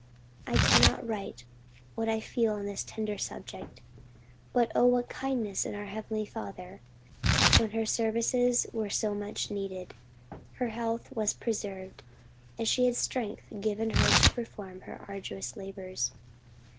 I cannot write what I feel on this tender subject. But oh what kindness in our Heavenly Father, that when her services were so much needed, her health was preserved, and she had strength given her to perform her arduous labors."